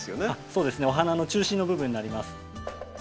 そうですねお花の中心の部分になります。